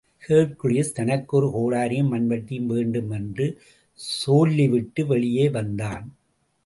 Hercules, தனக்கு ஒரு கோடரியும் மண்வெட்டியும் வேண்டுமென்று சோல்லிவிட்டு, வெளியே வந்தான்.